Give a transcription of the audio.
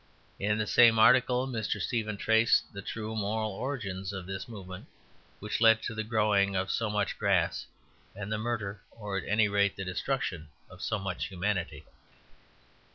In the same article, Mr. Stephen traced the true moral origins of this movement, which led to the growing of so much grass and the murder, or at any rate the destruction, of so much humanity.